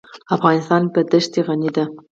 افغانستان په دښتې غني دی.